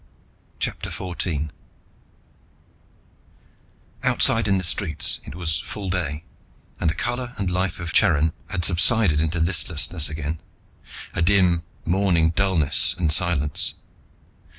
CHAPTER FOURTEEN Outside in the streets it was full day, and the color and life of Charin had subsided into listlessness again, a dim morning dullness and silence.